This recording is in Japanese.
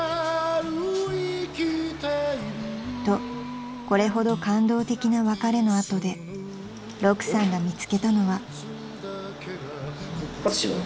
［とこれほど感動的な別れの後でロクさんが見つけたのは］アツシの？